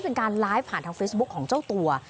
เป็นการไลฟ์ผ่านทางเฟซบุ๊คของเจ้าตัว